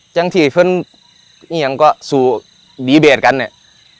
จังที่เพื่อนเอี่ยงก็สู่ดีเบตกันเนี่ย